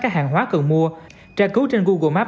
các hàng hóa cần mua tra cứu trên google map